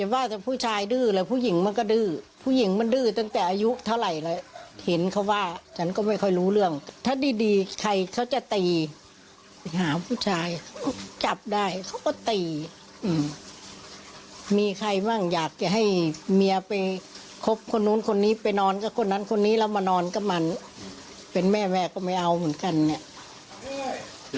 มีไม่ค่อยรู้เรื่องถ้าดีดีขายเขาจะตีหาผู้ชายกลับได้เขาก็ตีมีใครบ้างอยากจะให้เมียไปคบคนคนนี้ไปนอนก็คนนั้นคนนี้เรามานอนก็มันเป็นแม่แม่ก็ไม่เอาเหมือนกันเนี้ย